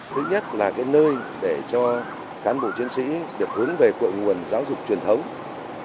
thứ nhất là nơi để cho cán bộ chiến sĩ được hướng về cội nguồn giáo dục truyền thống